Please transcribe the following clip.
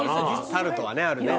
タルトはねあるね